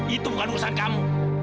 itu bukan urusan kamu